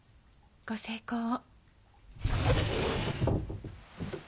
ご成功を。